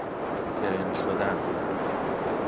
ترند شدن